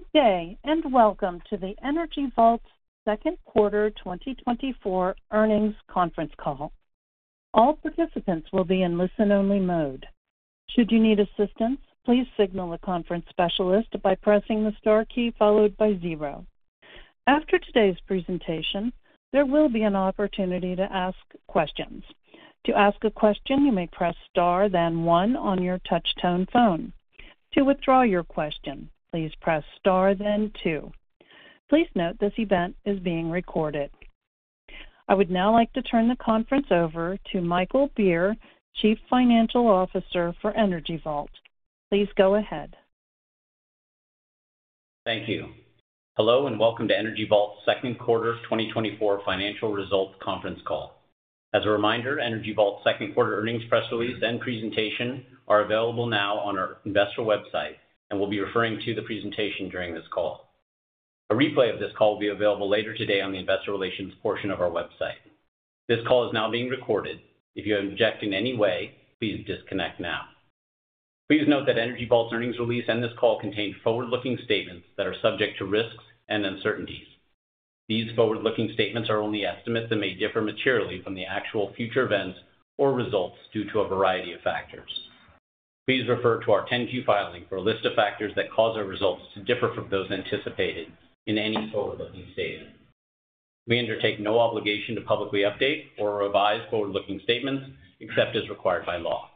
Good day, and welcome to the Energy Vault Second Quarter 2024 Earnings Conference Call. All participants will be in listen-only mode. Should you need assistance, please signal the conference specialist by pressing the star key followed by zero. After today's presentation, there will be an opportunity to ask questions. To ask a question, you may press * then one on your touchtone phone. To withdraw your question, please press * then two. Please note this event is being recorded. I would now like to turn the conference over to Michael Beer, Chief Financial Officer for Energy Vault. Please go ahead. Thank you. Hello, and welcome to Energy Vault's second quarter 2024 financial results conference call. As a reminder, Energy Vault's second quarter earnings press release and presentation are available now on our investor website and will be referring to the presentation during this call. A replay of this call will be available later today on the investor relations portion of our website. This call is now being recorded. If you object in any way, please disconnect now. Please note that Energy Vault's earnings release and this call contain forward-looking statements that are subject to risks and uncertainties. These forward-looking statements are only estimates that may differ materially from the actual future events or results due to a variety of factors. Please refer to our 10-Q filing for a list of factors that cause our results to differ from those anticipated in any forward-looking statement. We undertake no obligation to publicly update or revise forward-looking statements, except as required by law.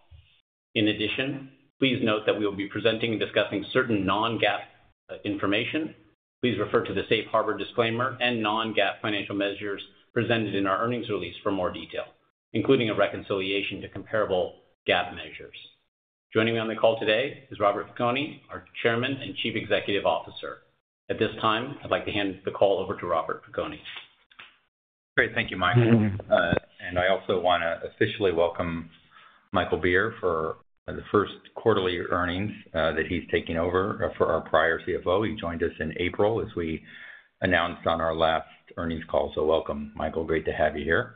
In addition, please note that we will be presenting and discussing certain non-GAAP information. Please refer to the Safe Harbor disclaimer and non-GAAP financial measures presented in our earnings release for more detail, including a reconciliation to comparable GAAP measures. Joining me on the call today is Robert Piconi, our Chairman and Chief Executive Officer. At this time, I'd like to hand the call over to Robert Piconi. Great. Thank you, Michael. And I also want to officially welcome Michael Beer for the first quarterly earnings that he's taking over for our prior CFO. He joined us in April, as we announced on our last earnings call. So welcome, Michael. Great to have you here.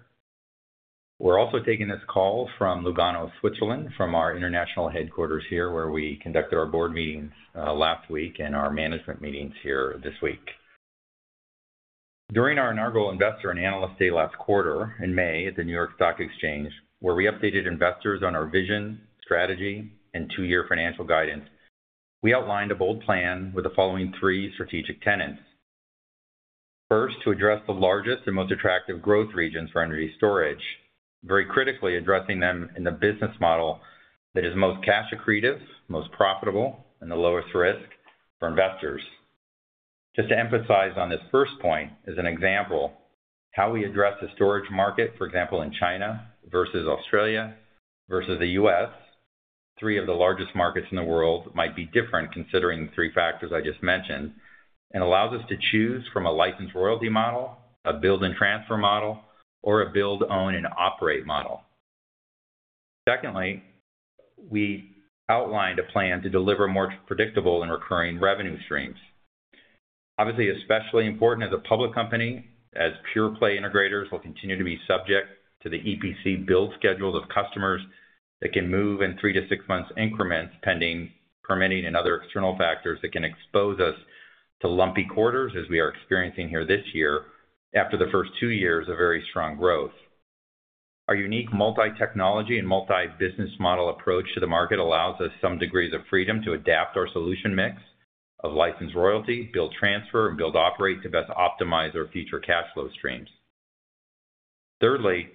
We're also taking this call from Lugano, Switzerland, from our international headquarters here, where we conducted our board meetings last week and our management meetings here this week. During our inaugural Investor and Analyst Day last quarter in May at the New York Stock Exchange, where we updated investors on our vision, strategy, and two-year financial guidance, we outlined a bold plan with the following three strategic tenets. First, to address the largest and most attractive growth regions for energy storage, very critically addressing them in the business model that is most cash accretive, most profitable, and the lowest risk for investors. Just to emphasize on this first point, as an example, how we address the storage market, for example, in China versus Australia versus the U.S., three of the largest markets in the world might be different, considering the three factors I just mentioned, and allows us to choose from a license royalty model, a build and transfer model, or a build, own, and operate model. Secondly, we outlined a plan to deliver more predictable and recurring revenue streams. Obviously, especially important as a public company, as pure-play integrators will continue to be subject to the EPC build schedules of customers that can move in 3-6 months increments, pending permitting and other external factors that can expose us to lumpy quarters as we are experiencing here this year, after the first two years of very strong growth. Our unique multi-technology and multi-business model approach to the market allows us some degrees of freedom to adapt our solution mix of license royalty, build, transfer, and build, operate to best optimize our future cash flow streams. Thirdly,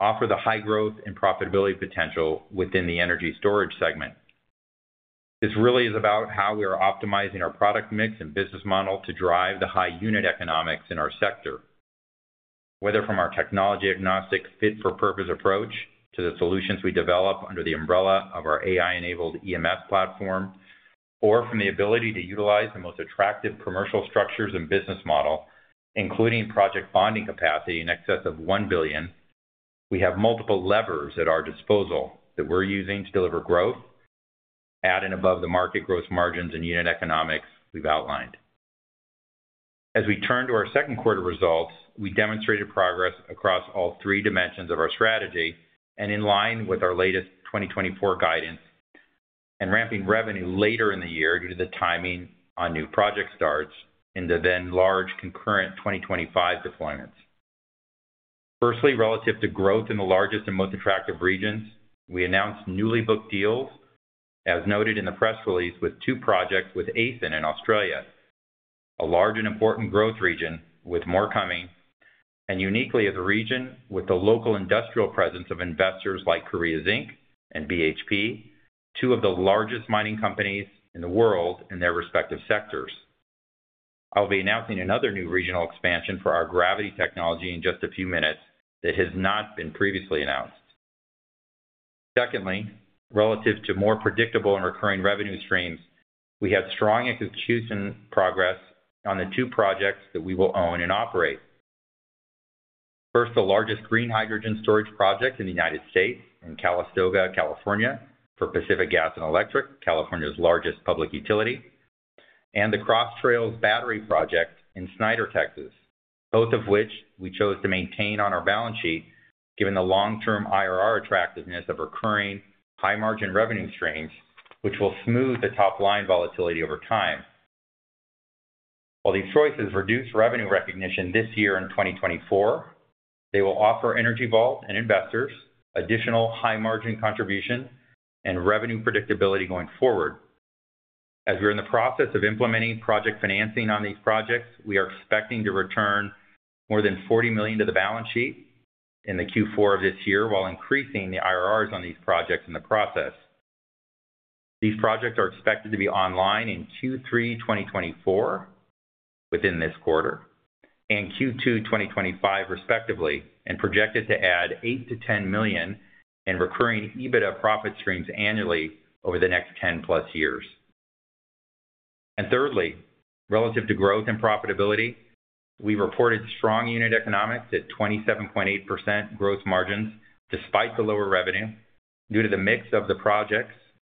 offer the high growth and profitability potential within the energy storage segment. This really is about how we are optimizing our product mix and business model to drive the high unit economics in our sector. Whether from our technology agnostic fit-for-purpose approach to the solutions we develop under the umbrella of our AI-enabled EMS platform, or from the ability to utilize the most attractive commercial structures and business model, including project bonding capacity in excess of $1 billion, we have multiple levers at our disposal that we're using to deliver growth at and above the market growth margins and unit economics we've outlined. As we turn to our second quarter results, we demonstrated progress across all three dimensions of our strategy and in line with our latest 2024 guidance and ramping revenue later in the year due to the timing on new project starts and the then large concurrent 2025 deployments. Firstly, relative to growth in the largest and most attractive regions, we announced newly booked deals, as noted in the press release, with two projects with ACEN in Australia, a large and important growth region with more coming, and uniquely as a region with the local industrial presence of investors like Korea Zinc and BHP, two of the largest mining companies in the world in their respective sectors. I'll be announcing another new regional expansion for our gravity technology in just a few minutes that has not been previously announced. Secondly, relative to more predictable and recurring revenue streams, we have strong execution progress on the two projects that we will own and operate. First, the largest green hydrogen storage project in the United States, in Calistoga, California, for Pacific Gas and Electric, California's largest public utility, and the Cross Trails Battery project in Snyder, Texas. both of which we chose to maintain on our balance sheet, given the long-term IRR attractiveness of recurring high-margin revenue streams, which will smooth the top-line volatility over time. While these choices reduce revenue recognition this year in 2024, they will offer Energy Vault and investors additional high-margin contribution and revenue predictability going forward. As we're in the process of implementing project financing on these projects, we are expecting to return more than $40 million to the balance sheet in the Q4 of this year, while increasing the IRRs on these projects in the process. These projects are expected to be online in Q3 2024, within this quarter, and Q2 2025, respectively, and projected to add $8 million-$10 million in recurring EBITDA profit streams annually over the next 10+ years. Thirdly, relative to growth and profitability, we reported strong unit economics at 27.8% growth margins despite the lower revenue, due to the mix of the projects,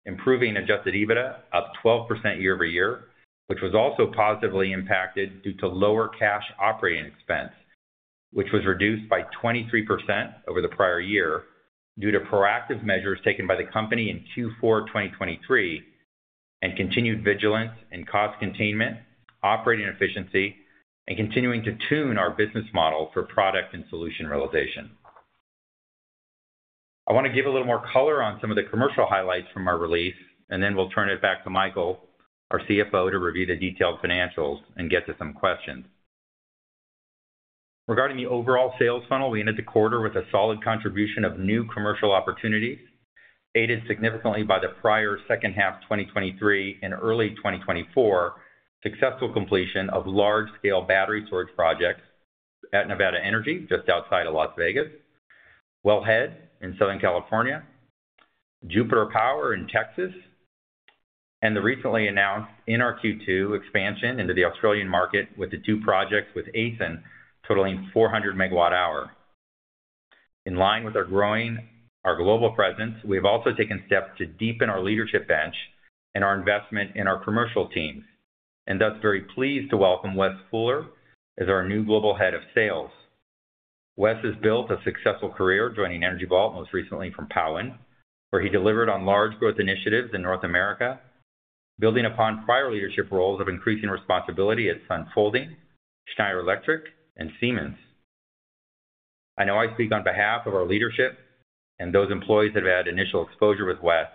improving Adjusted EBITDA up 12% year-over-year, which was also positively impacted due to lower cash operating expense, which was reduced by 23% over the prior year due to proactive measures taken by the company in Q4 2023, and continued vigilance and cost containment, operating efficiency, and continuing to tune our business model for product and solution realization. I want to give a little more color on some of the commercial highlights from our release, and then we'll turn it back to Michael, our CFO, to review the detailed financials and get to some questions. Regarding the overall sales funnel, we ended the quarter with a solid contribution of new commercial opportunities, aided significantly by the prior second half 2023 and early 2024, successful completion of large-scale battery storage projects at NV Energy, just outside of Las Vegas, Wellhead in Southern California, Jupiter Power in Texas, and the recently announced in our Q2 expansion into the Australian market with the two projects with ACEN, totaling 400 MWh. In line with our growing our global presence, we have also taken steps to deepen our leadership bench and our investment in our commercial teams, and thus very pleased to welcome Wes Fuller as our new Global Head of Sales. Wes has built a successful career, joining Energy Vault, most recently from Powin, where he delivered on large growth initiatives in North America, building upon prior leadership roles of increasing responsibility at Sunfolding, Schneider Electric, and Siemens. I know I speak on behalf of our leadership and those employees that have had initial exposure with Wes,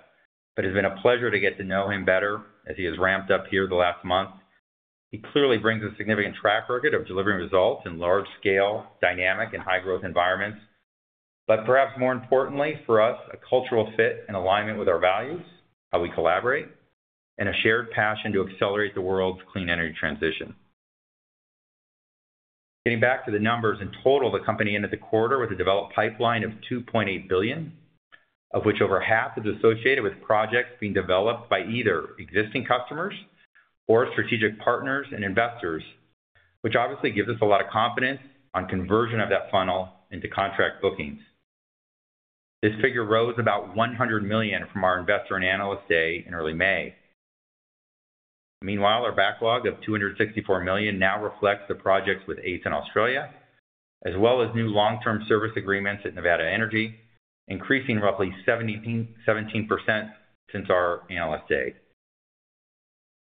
but it's been a pleasure to get to know him better as he has ramped up here the last month. He clearly brings a significant track record of delivering results in large scale, dynamic, and high-growth environments. But perhaps more importantly for us, a cultural fit and alignment with our values, how we collaborate, and a shared passion to accelerate the world's clean energy transition. Getting back to the numbers, in total, the company ended the quarter with a developed pipeline of $2.8 billion, of which over half is associated with projects being developed by either existing customers or strategic partners and investors, which obviously gives us a lot of confidence on conversion of that funnel into contract bookings. This figure rose about $100 million from our Investor and Analyst Day in early May. Meanwhile, our backlog of $264 million now reflects the projects with ACEN Australia, as well as new long-term service agreements at NV Energy, increasing roughly 17% since our Analyst Day.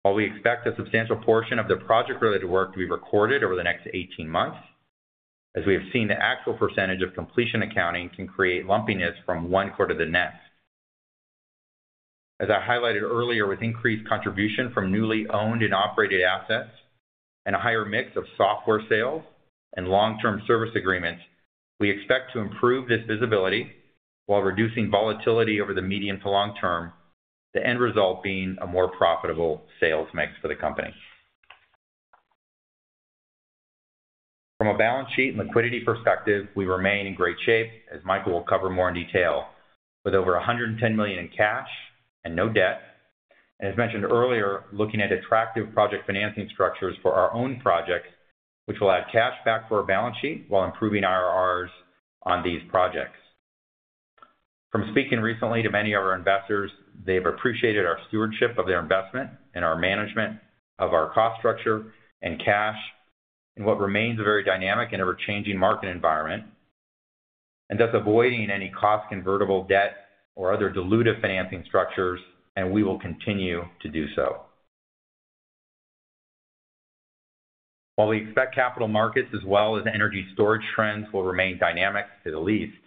While we expect a substantial portion of the project-related work to be recorded over the next eighteen months, as we have seen, the actual percentage of completion accounting can create lumpiness from one quarter to the next. As I highlighted earlier, with increased contribution from newly owned and operated assets and a higher mix of software sales and long-term service agreements, we expect to improve this visibility while reducing volatility over the medium to long term, the end result being a more profitable sales mix for the company. From a balance sheet and liquidity perspective, we remain in great shape, as Michael will cover more in detail, with over $110 million in cash and no debt. Looking at attractive project financing structures for our own projects, which will add cash back to our balance sheet while improving IRRs on these projects. From speaking recently to many of our investors, they've appreciated our stewardship of their investment and our management of our cost structure and cash, in what remains a very dynamic and ever-changing market environment, and thus avoiding any cost-convertible debt or other dilutive financing structures, and we will continue to do so. While we expect capital markets as well as energy storage trends will remain dynamic at least,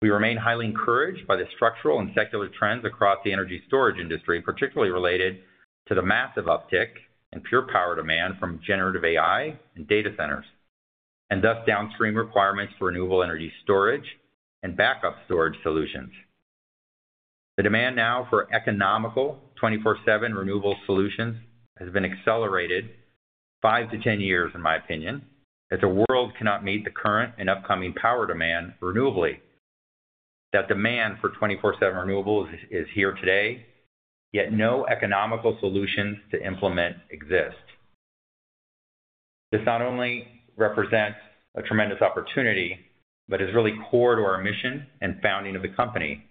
we remain highly encouraged by the structural and secular trends across the energy storage industry, particularly related to the massive uptick in pure power demand from generative AI and data centers, and thus downstream requirements for renewable energy storage and backup storage solutions. The demand now for economical 24/7 renewable solutions has been accelerated 5-10 years, in my opinion, as the world cannot meet the current and upcoming power demand renewably. That demand for 24/7 renewables is here today, yet no economical solutions to implement exist. This not only represents a tremendous opportunity, but is really core to our mission and founding of the company.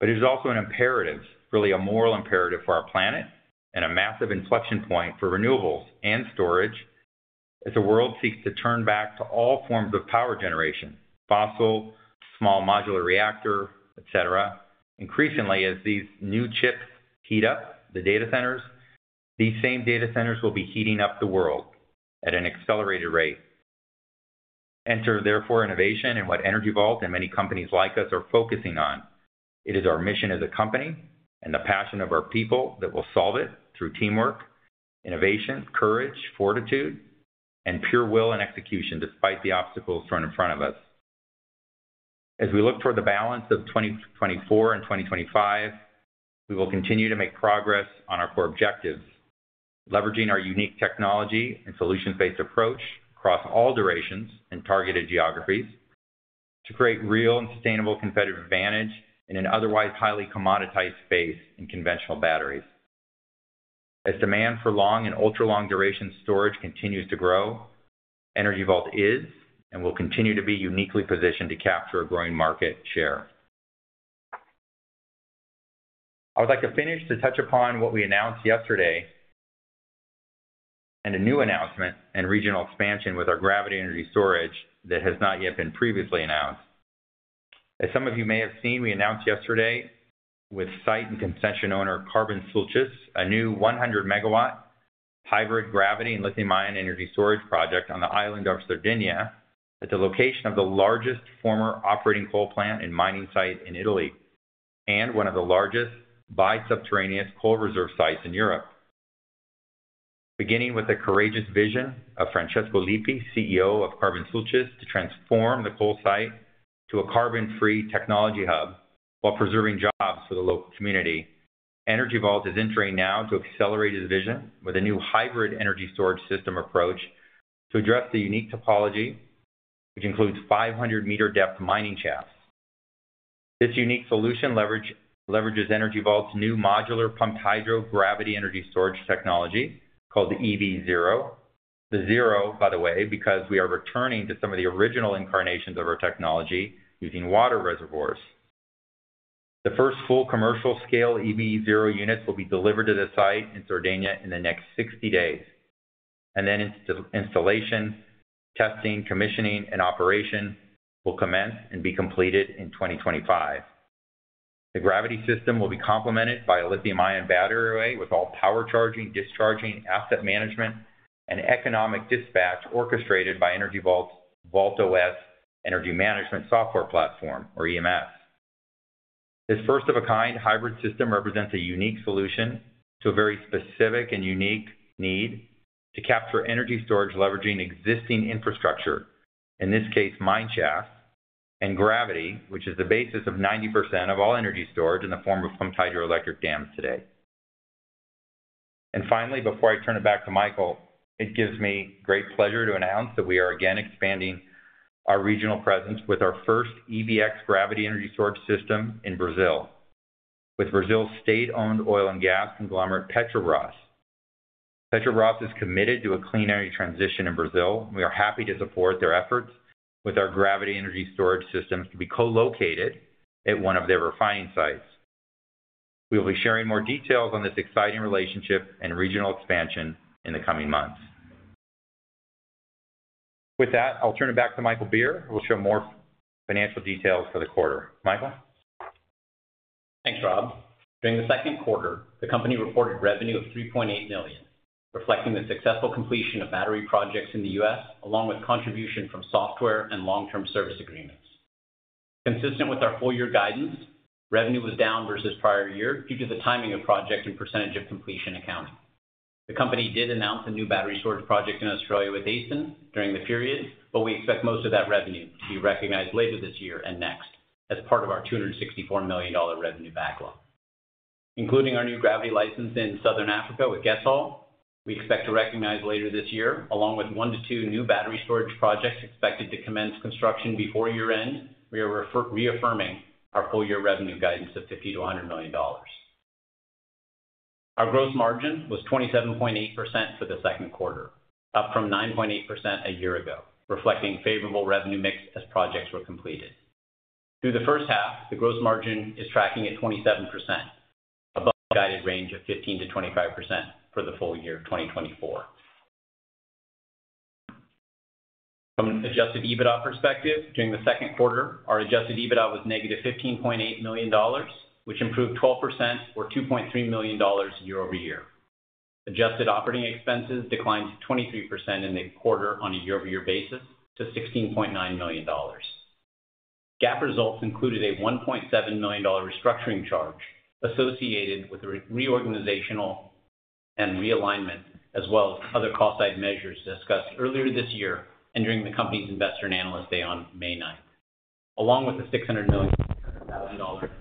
But it is also an imperative, really a moral imperative for our planet and a massive inflection point for renewables and storage as the world seeks to turn back to all forms of power generation, fossil, small modular reactor, et cetera. Increasingly, as these new chips heat up the data centers, these same data centers will be heating up the world at an accelerated rate. Enter, therefore, innovation and what Energy Vault and many companies like us are focusing on. It is our mission as a company and the passion of our people that will solve it through teamwork, innovation, courage, fortitude, and pure will and execution, despite the obstacles thrown in front of us. As we look toward the balance of 2024 and 2025, we will continue to make progress on our core objectives, leveraging our unique technology and solution-based approach across all durations and targeted geographies to create real and sustainable competitive advantage in an otherwise highly commoditized space in conventional batteries. As demand for long and ultra-long duration storage continues to grow, Energy Vault is and will continue to be uniquely positioned to capture a growing market share. I would like to finish to touch upon what we announced yesterday, and a new announcement and regional expansion with our gravity energy storage that has not yet been previously announced. As some of you may have seen, we announced yesterday with site and concession owner, Carbosulcis, a new 100 MW hybrid gravity and lithium-ion energy storage project on the island of Sardinia, at the location of the largest former operating coal plant and mining site in Italy, and one of the largest subterranean coal reserve sites in Europe. Beginning with the courageous vision of Francesco Lippi, CEO of Carbosulcis, to transform the coal site to a carbon-free technology hub while preserving jobs for the local community, Energy Vault is entering now to accelerate his vision with a new hybrid energy storage system approach to address the unique topology, which includes 500-meter depth mining shafts. This unique solution leverages Energy Vault's new modular pumped hydro gravity energy storage technology, called the EV Zero. The Zero, by the way, because we are returning to some of the original incarnations of our technology using water reservoirs. The first full commercial scale EV Zero units will be delivered to the site in Sardinia in the next 60 days, and then installation, testing, commissioning, and operation will commence and be completed in 2025. The gravity system will be complemented by a lithium-ion battery array with all power charging, discharging, asset management, and economic dispatch orchestrated by Energy Vault's VaultOS Energy Management Software platform, or EMS. This first of a kind hybrid system represents a unique solution to a very specific and unique need to capture energy storage, leveraging existing infrastructure, in this case, mine shafts and gravity, which is the basis of 90% of all energy storage in the form of pumped hydroelectric dams today. And finally, before I turn it back to Michael, it gives me great pleasure to announce that we are again expanding our regional presence with our first EVx gravity energy storage system in Brazil, with Brazil's state-owned oil and gas conglomerate, Petrobras. Petrobras is committed to a clean energy transition in Brazil. We are happy to support their efforts with our gravity energy storage systems to be co-located at one of their refining sites. We will be sharing more details on this exciting relationship and regional expansion in the coming months. With that, I'll turn it back to Michael Beer, who will show more financial details for the quarter. Michael? Thanks, Rob. During the second quarter, the company reported revenue of $3.8 million, reflecting the successful completion of battery projects in the U.S., along with contribution from software and long-term service agreements. Consistent with our full-year guidance, revenue was down versus prior-year due to the timing of project and percentage of completion accounting. The company did announce a new battery storage project in Australia with ACEN during the period, but we expect most of that revenue to be recognized later this year and next as part of our $264 million revenue backlog. Including our new gravity license in Southern Africa with GESSOL, we expect to recognize later this year, along with 1-2 new battery storage projects expected to commence construction before year-end, we are reaffirming our full-year revenue guidance of $50-$100 million. Our gross margin was 27.8% for the second quarter, up from 9.8% a year ago, reflecting favorable revenue mix as projects were completed. Through the first half, the gross margin is tracking at 27%, above the guided range of 15%-25% for the full year of 2024. From an adjusted EBITDA perspective, during the second quarter, our adjusted EBITDA was -$15.8 million, which improved 12% or $2.3 million year over year. Adjusted operating expenses declined to 23% in the quarter on a year-over-year basis to $16.9 million. GAAP results included a $1.7 million restructuring charge associated with the reorganizational and realignment, as well as other cost-side measures discussed earlier this year and during the company's Investor and Analyst Day on May 9. Along with the $600 million impairment associated with the company's move to its new corporate office in Westlake Village, California.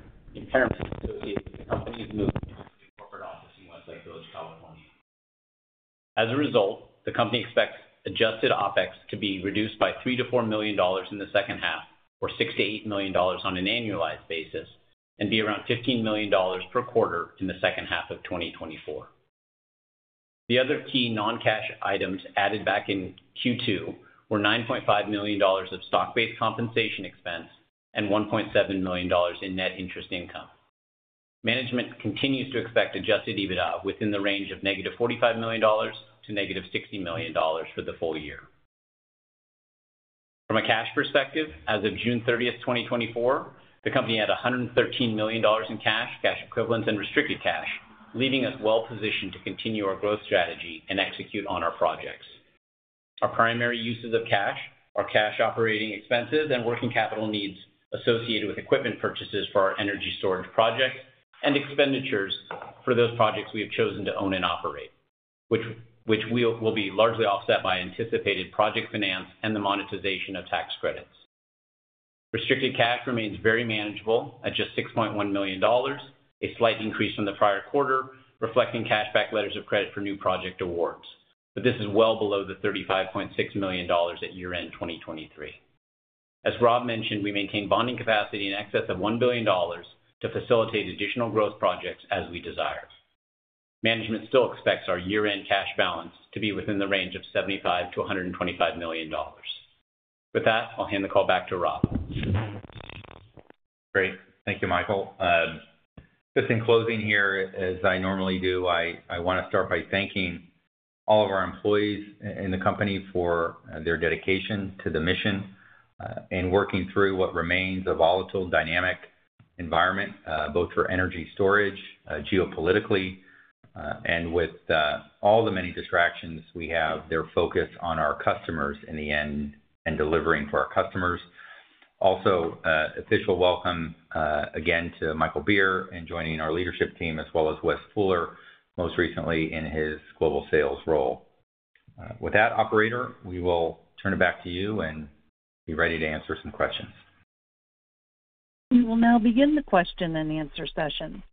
As a result, the company expects adjusted OpEx to be reduced by $3 million-$4 million in the second half, or $6 million-$8 million on an annualized basis, and be around $15 million per quarter in the second half of 2024. The other key non-cash items added back in Q2 were $9.5 million of stock-based compensation expense and $1.7 million in net interest income. Management continues to expect adjusted EBITDA within the range of -$45 million to -$60 million for the full year. From a cash perspective, as of June 30, 2024, the company had $113 million in cash, cash equivalents, and restricted cash, leaving us well-positioned to continue our growth strategy and execute on our projects. Our primary uses of cash are cash operating expenses and working capital needs associated with equipment purchases for our energy storage projects and expenditures for those projects we have chosen to own and operate, which we will be largely offset by anticipated project finance and the monetization of tax credits. Restricted cash remains very manageable at just $6.1 million, a slight increase from the prior quarter, reflecting cash back letters of credit for new project awards. This is well below the $35.6 million at year-end 2023. As Rob mentioned, we maintain bonding capacity in excess of $1 billion to facilitate additional growth projects as we desire. Management still expects our year-end cash balance to be within the range of $75 million-$125 million. With that, I'll hand the call back to Rob. Great. Thank you, Michael. Just in closing here, as I normally do, I want to start by thanking all of our employees in the company for their dedication to the mission and working through what remains a volatile dynamic environment, both for energy storage, geopolitically, and with all the many distractions we have, their focus on our customers in the end and delivering for our customers. Also, official welcome, again, to Michael Beer, in joining our leadership team, as well as Wes Fuller, most recently in his global sales role. With that, operator, we will turn it back to you and be ready to answer some questions. We will now begin the question and answer session.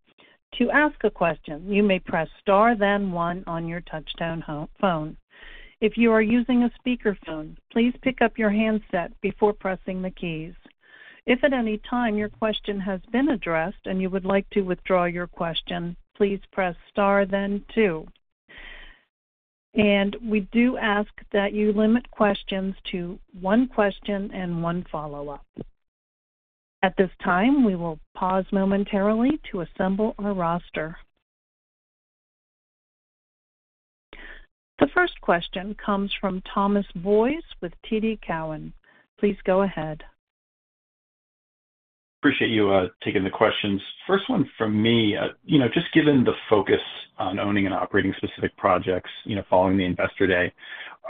To ask a question, you may press * then One on your touch-tone phone. If you are using a speakerphone, please pick up your handset before pressing the keys. If at any time your question has been addressed and you would like to withdraw your question, please press *, then Two. We do ask that you limit questions to one question and one follow-up. At this time, we will pause momentarily to assemble our roster. The first question comes from Thomas Boyes with TD Cowen. Please go ahead. Appreciate you taking the questions. First one from me, you know, just given the focus on owning and operating specific projects, you know, following the Investor Day,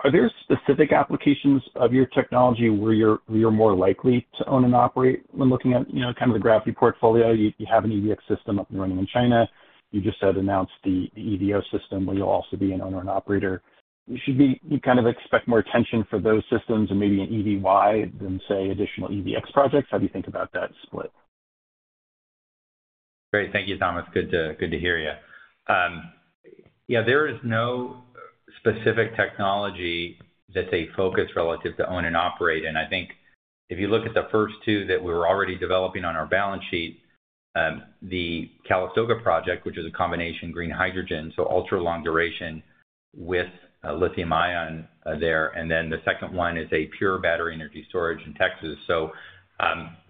are there specific applications of your technology where you're more likely to own and operate when looking at, you know, kind of the gravity portfolio? You have an EVx system up and running in China. You just announced the EV0 system, where you'll also be an owner and operator. You kind of expect more attention for those systems and maybe an EV0 than, say, additional EVx projects. How do you think about that split? Great. Thank you, Thomas. Good to hear you. Yeah, there is no specific technology that's a focus relative to own and operate. I think if you look at the first two that we're already developing on our balance sheet, the Calistoga project, which is a combination green hydrogen, so ultra-long duration with lithium-ion there, and then the second one is a pure battery energy storage in Texas. So,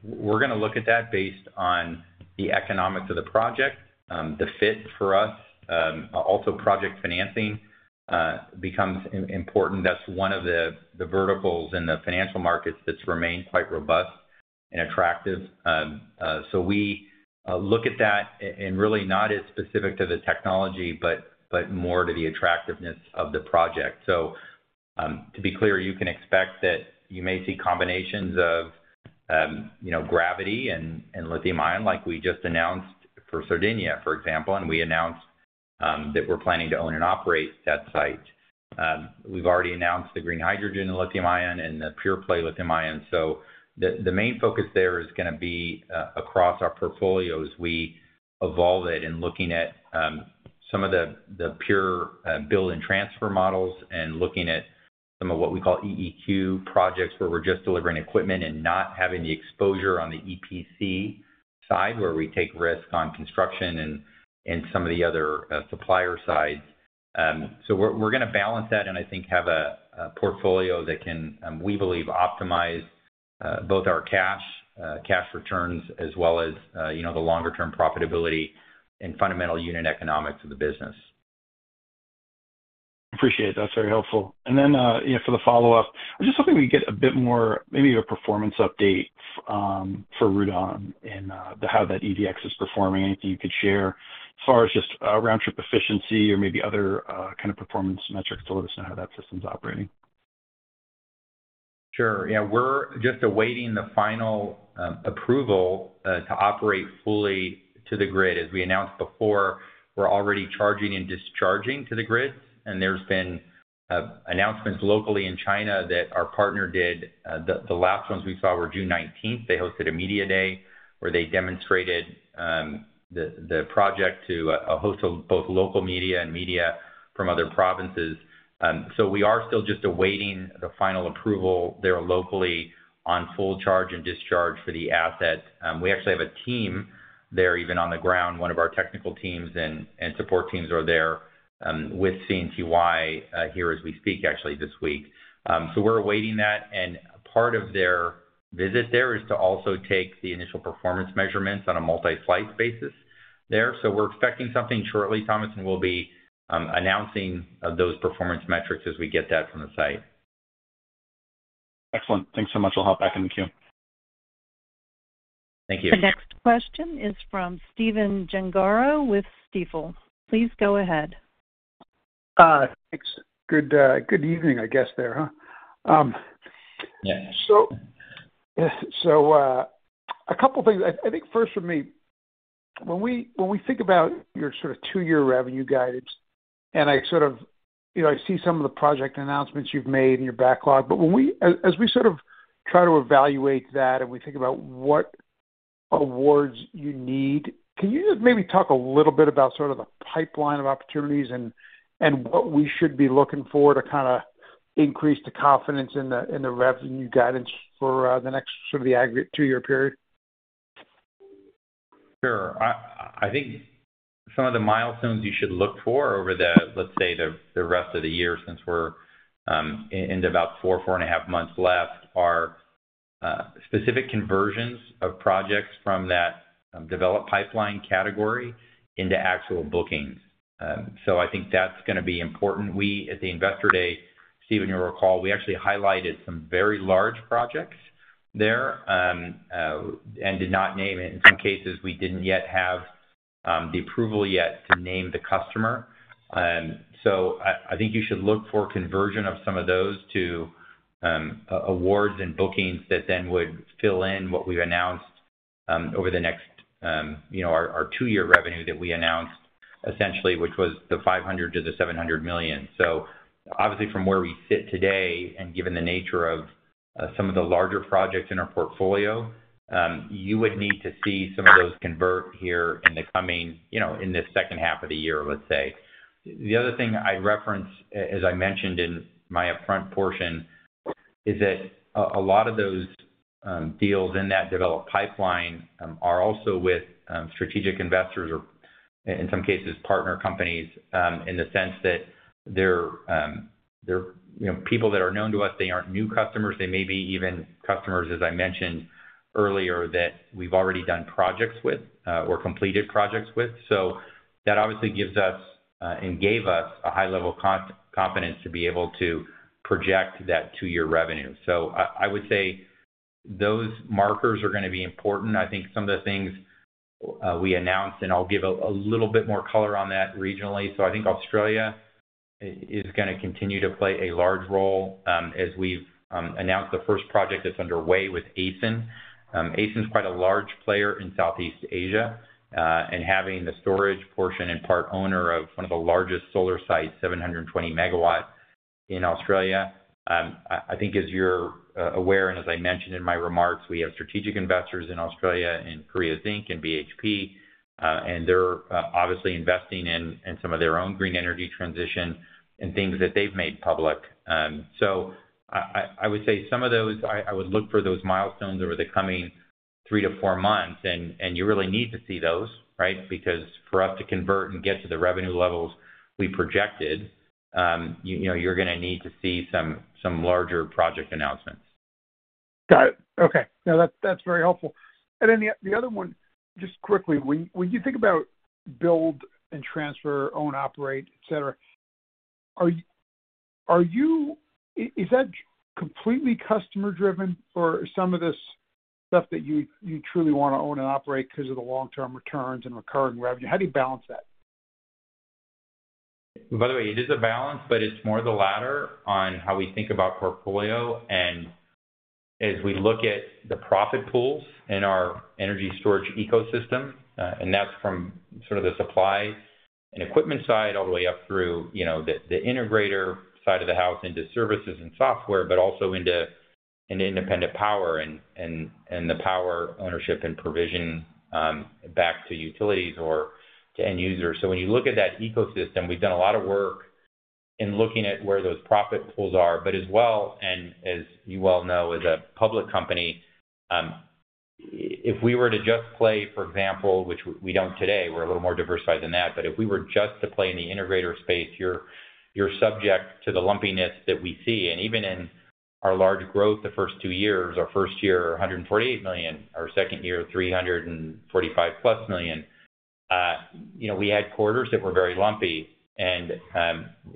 we're gonna look at that based on the economics of the project, the fit for us. Also, project financing becomes important. That's one of the verticals in the financial markets that's remained quite robust and attractive. So we look at that and really not as specific to the technology, but more to the attractiveness of the project. So, to be clear, you can expect that you may see combinations of, you know, gravity and lithium-ion, like we just announced for Sardinia, for example, and we announced that we're planning to own and operate that site. We've already announced the green hydrogen and lithium-ion and the pure-play lithium-ion. So the main focus there is gonna be across our portfolios. We evolve it in looking at some of the pure build and transfer models, and looking at some of what we call EQ projects, where we're just delivering equipment and not having the exposure on the EPC side, where we take risk on construction and some of the other supplier side. So, we're gonna balance that, and I think have a portfolio that can, we believe, optimize both our cash returns, as well as, you know, the longer-term profitability and fundamental unit economics of the business. Appreciate it. That's very helpful. And then, you know, for the follow-up, I'm just hoping we get a bit more, maybe a performance update, for Rudong and, how that EVx is performing. Anything you could share as far as just, round-trip efficiency or maybe other, kind of performance metrics to let us know how that system's operating? Sure. Yeah, we're just awaiting the final approval to operate fully to the grid. As we announced before, we're already charging and discharging to the grid, and there's been announcements locally in China that our partner did. The last ones we saw were June nineteenth. They hosted a media day, where they demonstrated the project to a host of both local media and media from other provinces. So we are still just awaiting the final approval there locally on full charge and discharge for the asset. We actually have a team there, even on the ground. One of our technical teams and support teams are there with CNTY here as we speak, actually, this week. So we're awaiting that, and part of their-... visit there is to also take the initial performance measurements on a multi-flight basis there. So we're expecting something shortly, Thomas, and we'll be announcing those performance metrics as we get that from the site. Excellent. Thanks so much. I'll hop back in the queue. Thank you. The next question is from Stephen Gengaro with Stifel. Please go ahead. Thanks. Good evening, I guess, there, huh? Yes. So, a couple things. I think first for me, when we think about your sort of two-year revenue guidance, and I sort of, you know, I see some of the project announcements you've made in your backlog, but as we sort of try to evaluate that, and we think about what awards you need, can you just maybe talk a little bit about sort of the pipeline of opportunities and what we should be looking for to kind of increase the confidence in the revenue guidance for the next sort of the aggregate two-year period? Sure. I think some of the milestones you should look for over the, let's say, the rest of the year, since we're into about 4 and a half months left, are specific conversions of projects from that developed pipeline category into actual bookings. So I think that's gonna be important. We, at the Investor Day, Steven, you'll recall, we actually highlighted some very large projects there, and did not name it. In some cases, we didn't yet have the approval yet to name the customer. So I think you should look for conversion of some of those to awards and bookings that then would fill in what we've announced over the next, you know, our two-year revenue that we announced, essentially, which was the $500 million-$700 million. So obviously, from where we sit today, and given the nature of some of the larger projects in our portfolio, you would need to see some of those convert here in the coming, you know, in this second half of the year, let's say. The other thing I'd reference, as I mentioned in my upfront portion, is that a lot of those deals in that developed pipeline are also with strategic investors or in some cases, partner companies, in the sense that they're, you know, people that are known to us, they aren't new customers. They may be even customers, as I mentioned earlier, that we've already done projects with or completed projects with. So that obviously gives us and gave us a high level confidence to be able to project that two-year revenue. So I would say those markers are gonna be important. I think some of the things we announced, and I'll give a little bit more color on that regionally. So I think Australia is gonna continue to play a large role, as we've announced the first project that's underway with ACEN. ACEN's quite a large player in Southeast Asia, and having the storage portion and part owner of one of the largest solar sites, 700 MW in Australia. I think as you're aware, and as I mentioned in my remarks, we have strategic investors in Australia, in Korea Zinc and BHP, and they're obviously investing in some of their own green energy transition and things that they've made public. So, I would say some of those. I would look for those milestones over the coming 3-4 months, and you really need to see those, right? Because for us to convert and get to the revenue levels we projected, you know, you're gonna need to see some larger project announcements. Got it. Okay. No, that's very helpful. And then the other one, just quickly, when you think about build and transfer, own operate, et cetera, is that completely customer driven or some of this stuff that you truly wanna own and operate 'cause of the long-term returns and recurring revenue? How do you balance that? By the way, it is a balance, but it's more the latter on how we think about portfolio. And as we look at the profit pools in our energy storage ecosystem, and that's from sort of the supply and equipment side, all the way up through, you know, the integrator side of the house into services and software, but also into an independent power and the power ownership and provision, back to utilities or to end users. So when you look at that ecosystem, we've done a lot of work in looking at where those profit pools are. But as well, as you well know, as a public company, if we were to just play, for example, which we don't today, we're a little more diversified than that, but if we were just to play in the integrator space, you're subject to the lumpiness that we see. Even in our large growth, the first two years, our first year, $148 million, our second year, $345+ million, you know, we had quarters that were very lumpy.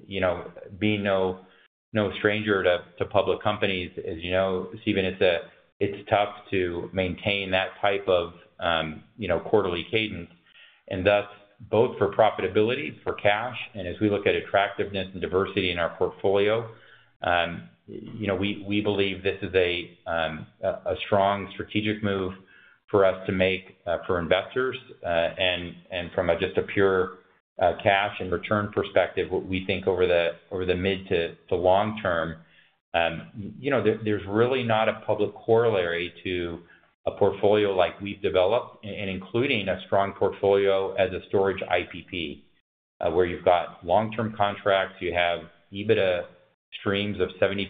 You know, being no stranger to public companies, as you know, Stephen, it's tough to maintain that type of, you know, quarterly cadence. Thus, both for profitability, for cash, and as we look at attractiveness and diversity in our portfolio, you know, we believe this is a strong strategic move for us to make, for investors, and from a just a pure cash and return perspective, what we think over the mid to long term. You know, there's really not a public corollary to a portfolio like we've developed, including a strong portfolio as a storage IPP, where you've got long-term contracts, you have EBITDA streams of 75%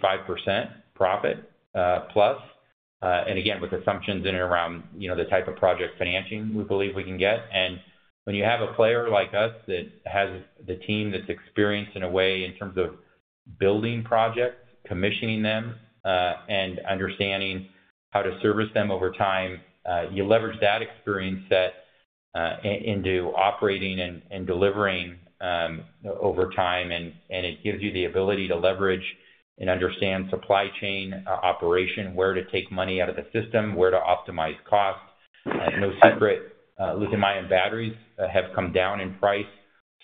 profit, plus, and again, with assumptions in and around, you know, the type of project financing we believe we can get. And when you have a player like us that has the team that's experienced in a way, in terms of-... Building projects, commissioning them, and understanding how to service them over time. You leverage that experience set into operating and delivering over time, and it gives you the ability to leverage and understand supply chain operation, where to take money out of the system, where to optimize costs. No secret, lithium-ion batteries have come down in price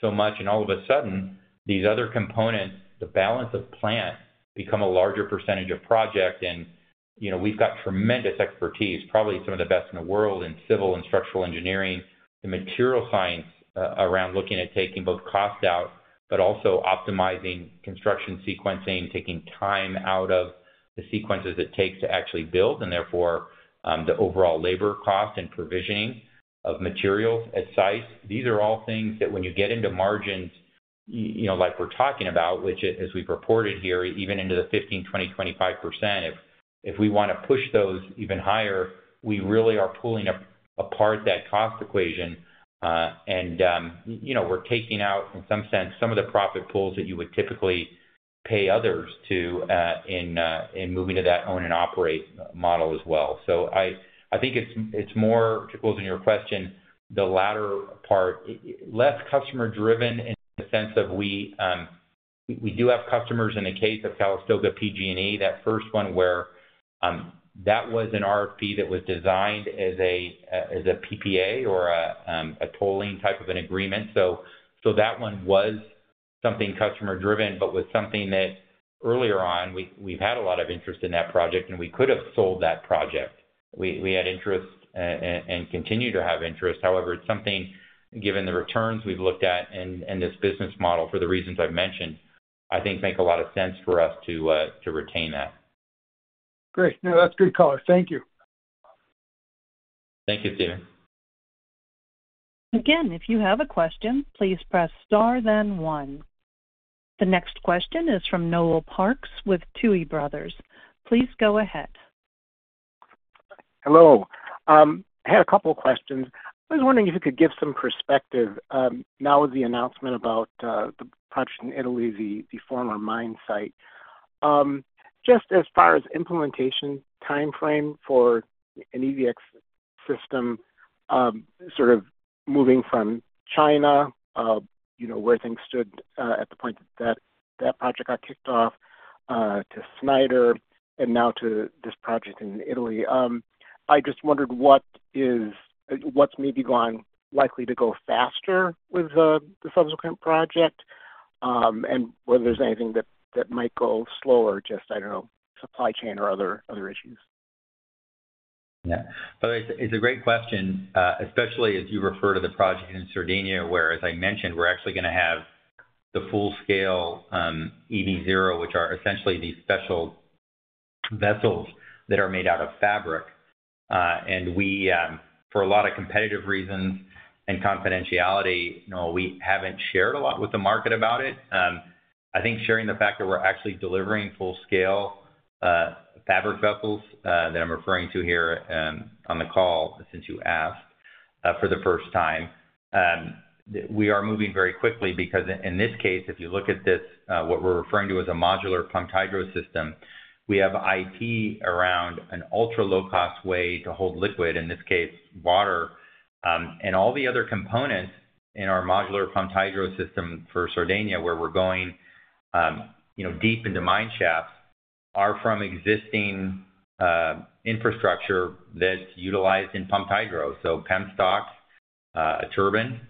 so much, and all of a sudden, these other components, the balance of plant, become a larger percentage of project. And, you know, we've got tremendous expertise, probably some of the best in the world, in civil and structural engineering, the material science around looking at taking both cost out, but also optimizing construction sequencing, taking time out of the sequences it takes to actually build, and therefore, the overall labor cost and provisioning of materials at site. These are all things that when you get into margins, you know, like we're talking about, which, as we've reported here, even into the 15, 20, 25 percent. If we wanna push those even higher, we really are pulling apart that cost equation. And, you know, we're taking out, in some sense, some of the profit pools that you would typically pay others to, in moving to that own and operate model as well. So I think it's more, to close on your question, the latter part, less customer driven in the sense of we, we do have customers in the case of Calistoga, PG&E, that first one where, that was an RFP that was designed as a, as a PPA or a, a tolling type of an agreement. So, that one was something customer-driven, but something that earlier on, we've had a lot of interest in that project, and we could have sold that project. We had interest and continue to have interest. However, it's something, given the returns we've looked at and this business model, for the reasons I've mentioned, I think make a lot of sense for us to retain that. Great. No, that's a good call. Thank you. Thank you, Peter. Again, if you have a question, please press star then 1. The next question is from Noel Parks with Tuohy Brothers. Please go ahead. Hello. I had a couple questions. I was wondering if you could give some perspective now with the announcement about the project in Italy, the former mine site. Just as far as implementation timeframe for an EVx system, sort of moving from China, you know, where things stood at the point that project got kicked off to Snyder and now to this project in Italy. I just wondered what is—what's maybe gone, likely to go faster with the subsequent project, and whether there's anything that might go slower, just, I don't know, supply chain or other issues? Yeah. Well, it's a great question, especially as you refer to the project in Sardinia, where, as I mentioned, we're actually gonna have the full-scale EV0, which are essentially these special vessels that are made out of fabric. And we, for a lot of competitive reasons and confidentiality, you know, we haven't shared a lot with the market about it. I think sharing the fact that we're actually delivering full-scale fabric vessels that I'm referring to here on the call, since you asked, for the first time, we are moving very quickly because in this case, if you look at this, what we're referring to as a modular pumped hydro system, we have it around an ultra-low-cost way to hold liquid, in this case, water. And all the other components in our modular pumped hydro system for Sardinia, where we're going, you know, deep into mine shafts, are from existing infrastructure that's utilized in pumped hydro. So penstock, a turbine.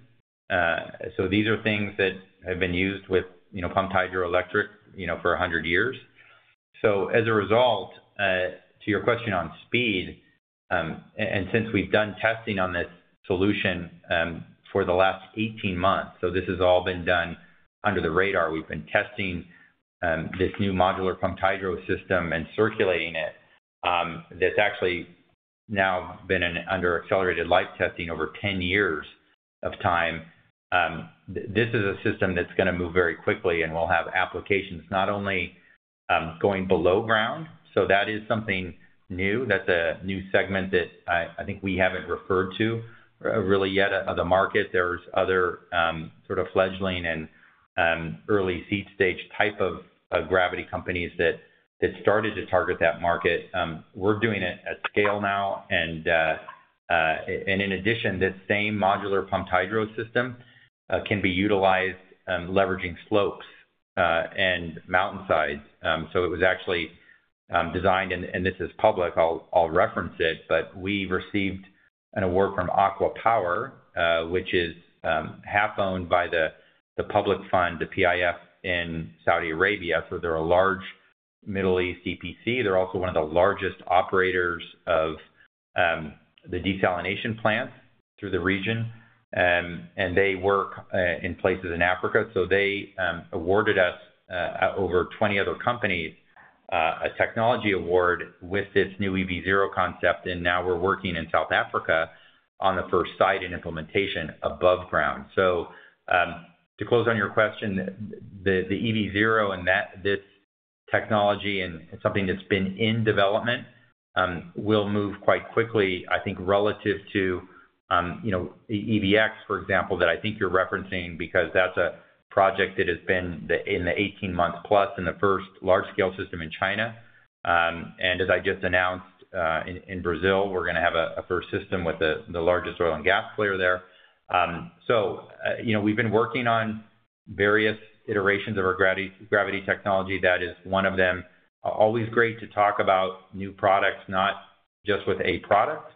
So these are things that have been used with, you know, pumped hydroelectric, you know, for 100 years. So as a result, to your question on speed, and since we've done testing on this solution, for the last 18 months, so this has all been done under the radar. We've been testing this new modular pumped hydro system and circulating it. That's actually now been under accelerated life testing over 10 years of time. This is a system that's gonna move very quickly, and we'll have applications not only going below ground. So that is something new. That's a new segment that I, I think we haven't referred to really yet of the market. There's other sort of fledgling and early seed-stage type of gravity companies that, that started to target that market. We're doing it at scale now, and in addition, this same modular pumped hydro system can be utilized leveraging slopes and mountainsides. So it was actually designed. And this is public, I'll reference it, but we received an award from ACWA Power, which is half-owned by the public fund, the PIF, in Saudi Arabia. So they're a large Middle East EPC. They're also one of the largest operators of the desalination plants through the region, and they work in places in Africa. So they awarded us over 20 other companies a technology award with this new EV0 concept, and now we're working in South Africa on the first site in implementation above ground. So, to close on your question, the EV0 and this technology and something that's been in development will move quite quickly, I think, relative to, you know, EVx, for example, that I think you're referencing, because that's a project that has been in the 18 months plus in the first large-scale system in China. And as I just announced, in Brazil, we're gonna have a first system with the largest oil and gas player there. So, you know, we've been working on various iterations of our gravity technology. That is one of them. Always great to talk about new products, not just with a product,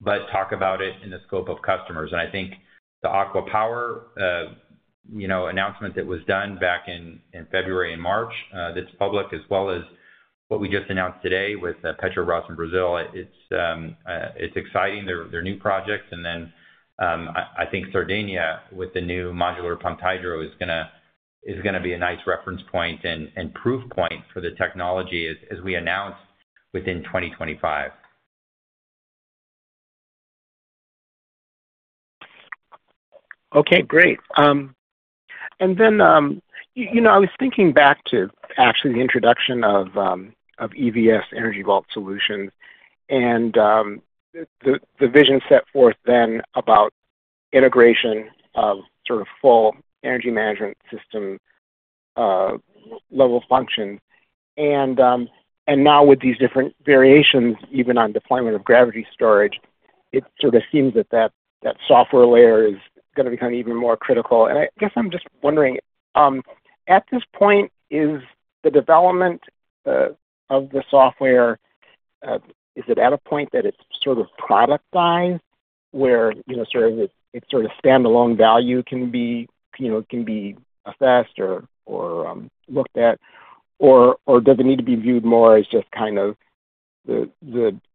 but talk about it in the scope of customers. And I think the ACWA Power, you know, announcement that was done back in, in February and March, that's public, as well as what we just announced today with, Petrobras in Brazil. It's, it's exciting. They're, they're new projects. And then, I, I think Sardinia, with the new modular pumped hydro, is gonna, is gonna be a nice reference point and, and proof point for the technology as, as we announce within 2025. Okay, great. And then, you know, I was thinking back to actually the introduction of EVS, Energy Vault Solutions, and the vision set forth then about integration of sort of full energy management system level function. And now with these different variations, even on deployment of gravity storage, it sort of seems that that software layer is gonna become even more critical. And I guess I'm just wondering, at this point, is the development of the software is it at a point that it's sort of productized, where you know, sort of it its sort of standalone value can be you know, can be assessed or or looked at? Or does it need to be viewed more as just kind of the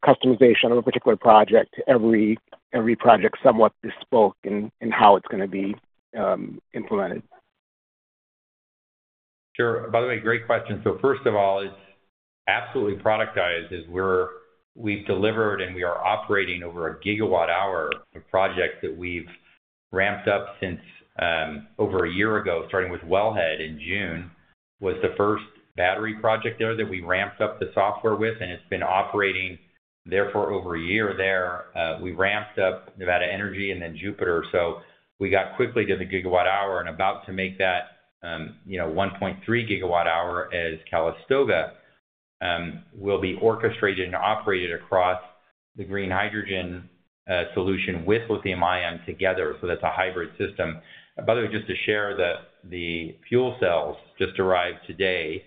customization of a particular project, every project somewhat bespoke in how it's gonna be implemented? Sure. By the way, great question. So first of all, it's absolutely productized, as we've delivered, and we are operating over a gigawatt-hour of projects that we've ramped up since over a year ago, starting with Wellhead in June, was the first battery project there that we ramped up the software with, and it's been operating there for over a year there. We ramped up NV Energy and then Jupiter. So we got quickly to the gigawatt-hour and about to make that, you know, 1.3 gigawatt-hour as Calistoga will be orchestrated and operated across the green hydrogen solution with lithium-ion together. So that's a hybrid system. By the way, just to share that the fuel cells just arrived today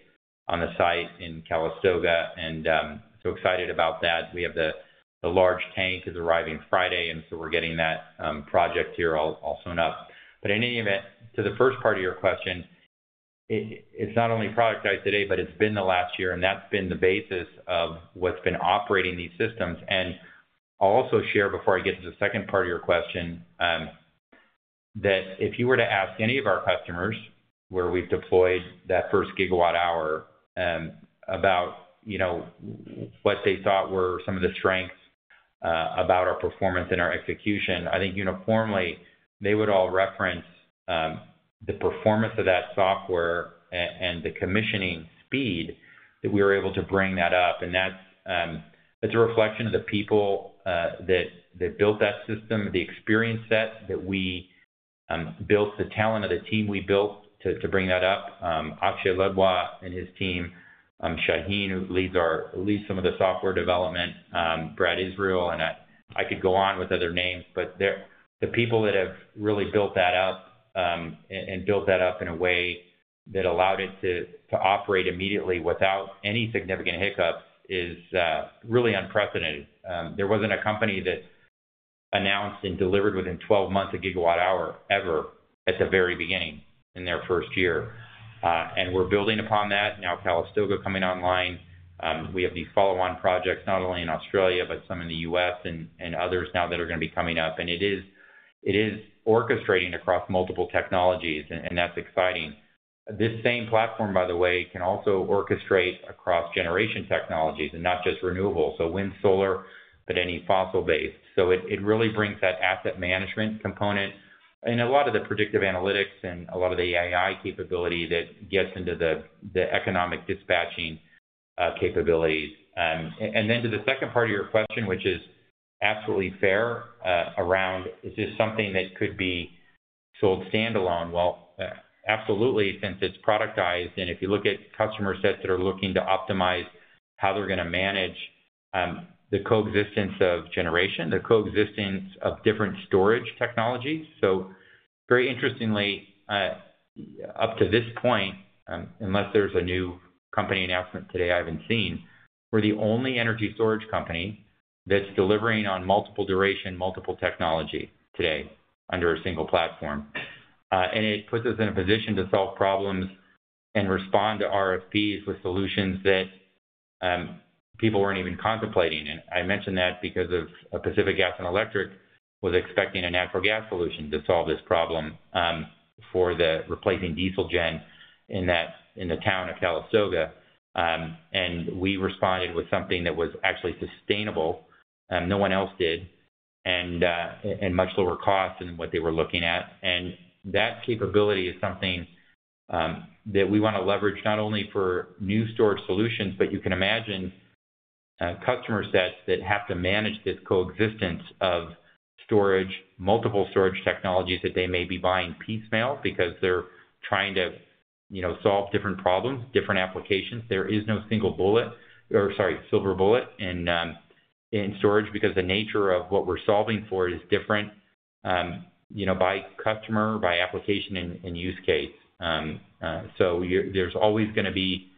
on the site in Calistoga, and so excited about that. We have the large tank is arriving Friday, and so we're getting that project here also up. But in any event, to the first part of your question, it's not only productized today, but it's been the last year, and that's been the basis of what's been operating these systems. And I'll also share, before I get to the second part of your question, that if you were to ask any of our customers, where we've deployed that first gigawatt hour, about, you know, what they thought were some of the strengths about our performance and our execution, I think uniformly they would all reference the performance of that software and the commissioning speed that we were able to bring that up. That's a reflection of the people that built that system, the experience set that we built, the talent of the team we built to bring that up. Akshay Ladwa and his team, Shaheen, who leads some of the software development, Brad Israel, and I could go on with other names, but they're the people that have really built that up, and built that up in a way that allowed it to operate immediately without any significant hiccups, is really unprecedented. There wasn't a company that announced and delivered within 12 months, a gigawatt hour, ever, at the very beginning in their first year. We're building upon that now, Calistoga coming online. We have these follow-on projects, not only in Australia, but some in the U.S. and others now that are gonna be coming up. And it is orchestrating across multiple technologies, and that's exciting. This same platform, by the way, can also orchestrate across generation technologies and not just renewables, so wind, solar, but any fossil base. So it really brings that asset management component and a lot of the predictive analytics and a lot of the AI capability that gets into the economic dispatching capabilities. And then to the second part of your question, which is absolutely fair, around, is this something that could be sold standalone? Well, absolutely, since it's productized, and if you look at customer sets that are looking to optimize how they're gonna manage the coexistence of generation, the coexistence of different storage technologies. So very interestingly, up to this point, unless there's a new company announcement today I haven't seen, we're the only energy storage company that's delivering on multiple duration, multiple technology today under a single platform. And it puts us in a position to solve problems and respond to RFPs with solutions that people weren't even contemplating. And I mention that because of Pacific Gas and Electric was expecting a natural gas solution to solve this problem for the replacing diesel gen in the town of Calistoga. And we responded with something that was actually sustainable, no one else did.... and much lower cost than what they were looking at. And that capability is something that we want to leverage not only for new storage solutions, but you can imagine customer sets that have to manage this coexistence of storage, multiple storage technologies, that they may be buying piecemeal because they're trying to, you know, solve different problems, different applications. There is no single bullet—or sorry, silver bullet in storage, because the nature of what we're solving for is different, you know, by customer, by application, and use case. So there's always gonna be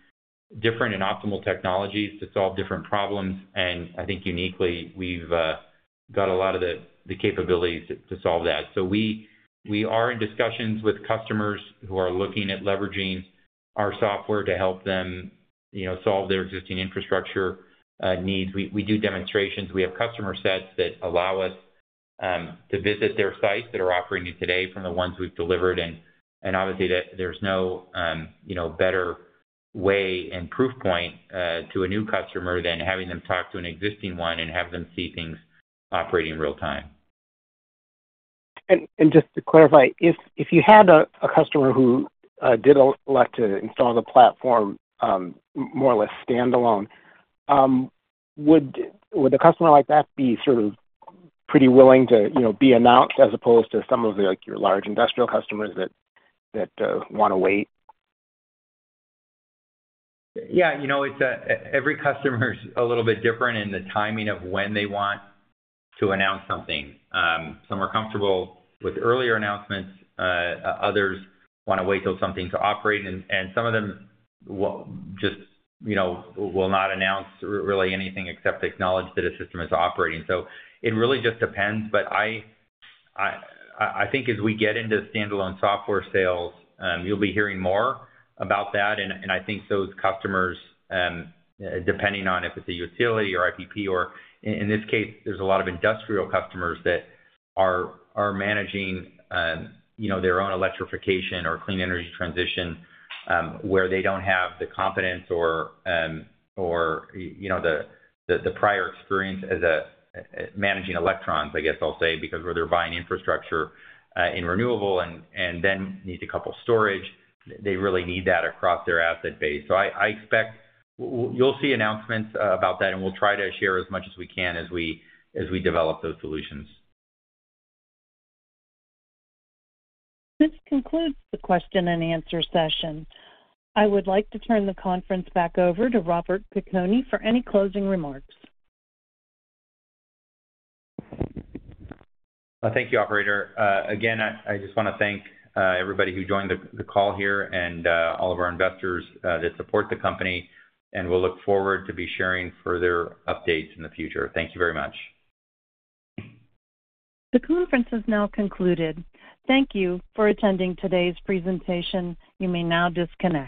different and optimal technologies to solve different problems, and I think uniquely, we've got a lot of the capabilities to solve that. So we are in discussions with customers who are looking at leveraging our software to help them, you know, solve their existing infrastructure needs. We do demonstrations. We have customer sets that allow us to visit their sites that are operating today from the ones we've delivered. And obviously, there's no, you know, better way and proof point to a new customer than having them talk to an existing one and have them see things operating in real time. Just to clarify, if you had a customer who did elect to install the platform, more or less standalone, would a customer like that be sort of pretty willing to, you know, be announced as opposed to some of the, like, your large industrial customers that want to wait? Yeah, you know, it's every customer's a little bit different in the timing of when they want to announce something. Some are comfortable with earlier announcements, others want to wait till something to operate, and some of them will just, you know, will not announce really anything, except acknowledge that a system is operating. So it really just depends. But I think as we get into standalone software sales, you'll be hearing more about that. I think those customers, depending on if it's a utility or IPP or in this case, there's a lot of industrial customers that are managing, you know, their own electrification or clean energy transition, where they don't have the confidence or, you know, the prior experience as in managing electrons, I guess I'll say, because where they're buying infrastructure in renewable and then need to couple storage, they really need that across their asset base. So I expect you'll see announcements about that, and we'll try to share as much as we can as we develop those solutions. This concludes the question and answer session. I would like to turn the conference back over to Robert Piconi for any closing remarks. Well, thank you, operator. Again, I just want to thank everybody who joined the call here and all of our investors that support the company. And we'll look forward to be sharing further updates in the future. Thank you very much. The conference is now concluded. Thank you for attending today's presentation. You may now disconnect.